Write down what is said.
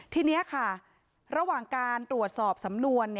ทีนี้ค่ะระหว่างการตรวจสอบสำนวน